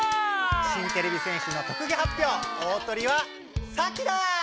新てれび戦士の特技発表大トリはサキだ。